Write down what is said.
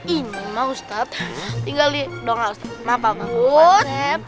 ini mah ustadz tinggal li dong ma'af al quran